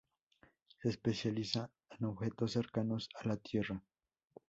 Se especializa en objetos cercanos a la Tierra.